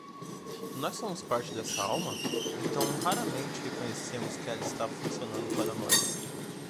Nós somos parte dessa alma?, então raramente reconhecemos que ela está funcionando para nós.